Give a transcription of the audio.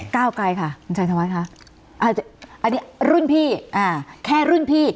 ก้าวไกลค่ะอันนี้รุ่นพี่แค่รุ่นพี่